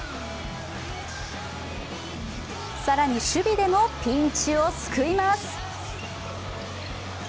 更に守備でもピンチを救います。